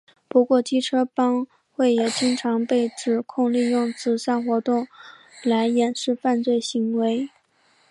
不过机车帮会也经常被指控利用慈善活动来掩饰犯罪行为。